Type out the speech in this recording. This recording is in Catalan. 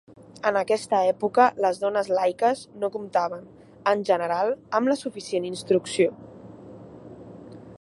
En aquesta època les dones laiques no comptaven, en general, amb la suficient instrucció.